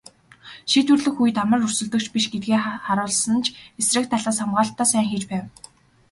Шийдвэрлэх үед амар өрсөлдөгч биш гэдгээ харуулсан ч эсрэг талаас хамгаалалтаа сайн хийж байв.